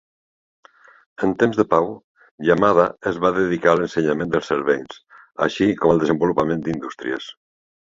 En temps de pau, Yamada es va dedicar a l'ensenyament dels servents així com al desenvolupament d'indústries.